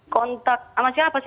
kontak sama siapa sih